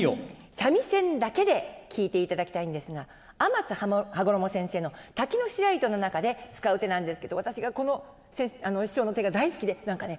三味線だけで聴いていただきたいんですが天津羽衣先生の「滝の白糸」の中で使う手なんですけど私がこの師匠の手が大好きで何かね